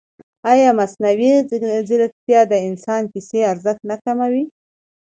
ایا مصنوعي ځیرکتیا د انساني کیسې ارزښت نه کموي؟